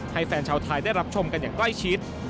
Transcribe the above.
แฟนชาวไทยได้รับชมกันอย่างใกล้ชิด